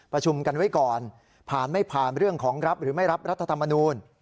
ประชุมกันไว้ก่อนผ่านไม่ผ่านเรื่องของรับหรือไม่รับรัฐธรรมนูล